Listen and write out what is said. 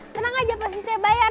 tenang aja pasti saya bayar